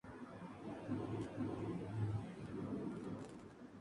Los sirenios son animales de gran tamaño con un cuerpo cilíndrico.